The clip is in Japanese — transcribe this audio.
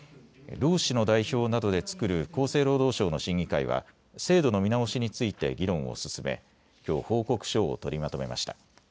労使の代表などで作る厚生労働省の審議会は制度の見直しについて議論を進めきょう報告書を取りまとめました。